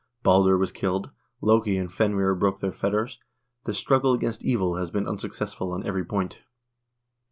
Balder was killed, Loke and Fenre broke their fetters; the struggle against evil has been unsuccessful on every point.